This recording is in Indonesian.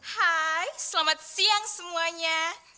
hai selamat siang semuanya